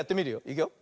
いくよ。